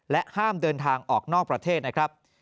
ห้ามเดินทางออกนอกประเทศนะครับ